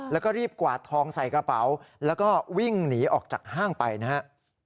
แล้วก็รีบกวาดทองใส่กระเป๋าแล้วก็วิ่งหนีออกจากห้างไปนะครับ